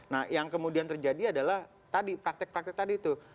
nah yang kemudian terjadi adalah tadi praktek praktek tadi itu